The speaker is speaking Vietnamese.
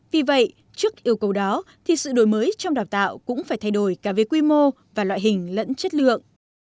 vì vậy trước yêu cầu đó thì sự đổi mới trong đào tạo cũng phải thay đổi cả về quy mô và loại hình lẫn chất lượng